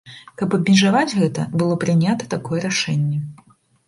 Каб абмежаваць гэта, было прынята такое рашэнне.